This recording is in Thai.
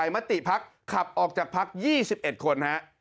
ในมะติพักขับออกจากพัก๒๑คนครับ